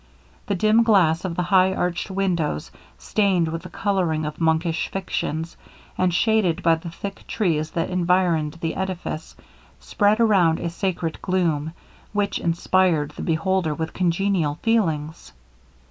The dim glass of the high arched windows, stained with the colouring of monkish fictions, and shaded by the thick trees that environed the edifice, spread around a sacred gloom, which inspired the beholder with congenial feelings.